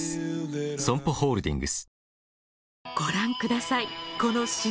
ＳＯＭＰＯホールディングス